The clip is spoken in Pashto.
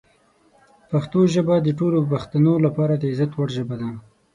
پښتو ژبه د ټولو پښتنو لپاره د عزت وړ ژبه ده.